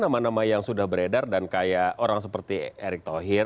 nama nama yang sudah beredar dan kayak orang seperti erick thohir